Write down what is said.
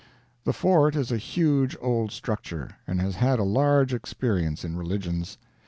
The Fort is a huge old structure, and has had a large experience in religions.